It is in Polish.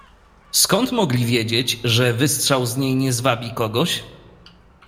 "Skąd mogli wiedzieć, że wystrzał z niej nie zwabi kogoś?"